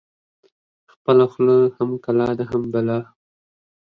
خپله خوله هم کلا ده هم بلا.